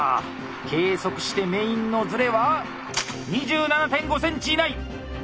計測してメインのズレは２７．５ｃｍ以内。